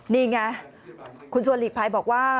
นี่ไงคุณชวนหลีกภัยบอกว่า